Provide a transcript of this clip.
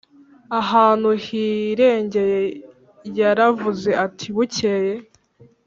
Ahantu hirengeye yaravuze ati bukeye